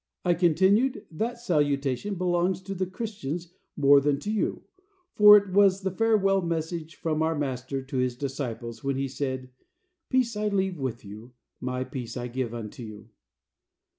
I continued, "That salutation belongs to the Christians more than to you, for it was the farewell message from our Master to his disciples, when he said, 'Peace I leave with you; my peace I give unto you.'"